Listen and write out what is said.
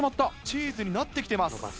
チーズになって来てます。